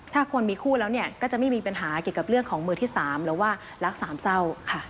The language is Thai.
ถ้าคนมีคู่แล้วจะไม่มีปัญหาเกี่ยวของเรื่องของมือที่๓หรือว่ารัก๓เศร้า